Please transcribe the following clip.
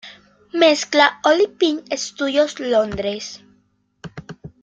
Mezcla: Olympic Studios, Londres.